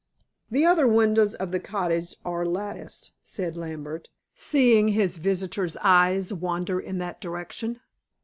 "The other windows of the cottage are latticed," said Lambert, seeing his visitor's eyes wander in that direction.